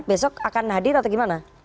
besok akan hadir atau gimana